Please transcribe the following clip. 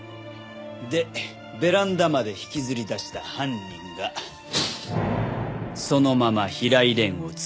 でベランダまで引きずり出した犯人がそのまま平井蓮を突き落とした。